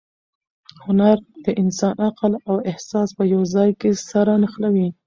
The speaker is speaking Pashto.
هنر د انسان عقل او احساس په یو ځای کې سره نښلوي.